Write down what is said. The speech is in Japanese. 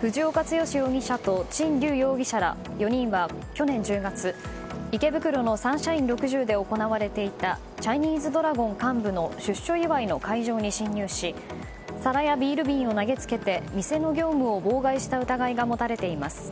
藤岡剛容疑者とチン・リュウ容疑者ら４人は去年１０月池袋のサンシャイン６０で行われていたチャイニーズドラゴン幹部の出所祝いの会場に侵入し皿やビール瓶を投げつけて店の業務を妨害した疑いが持たれています。